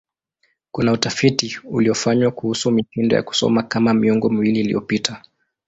Kuna utafiti uliofanywa kuhusu mitindo ya kusoma katika miongo miwili iliyopita.